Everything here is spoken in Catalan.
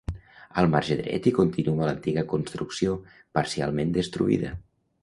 Al marge dret hi continua l'antiga construcció, parcialment destruïda.